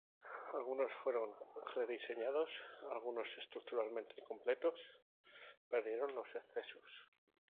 Algunos fueron rediseñados; Algunos, estructuralmente completos, perdieron los excesos.